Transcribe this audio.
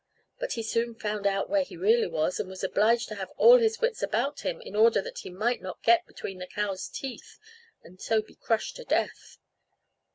But he soon found out where he really was, and was obliged to have all his wits about him in order that he might not get between the cow's teeth, and so be crushed to death.